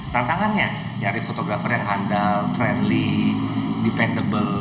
tantangannya nyari fotografer yang handal friendly defentable